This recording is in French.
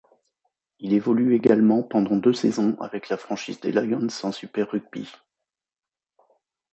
Il évolue également pendant deux saisons avec la franchise des Lions en Super Rugby.